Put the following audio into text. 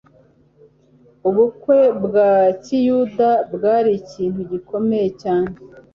Ubukwe bwa kiyuda bwari ikintu gikomeye cyane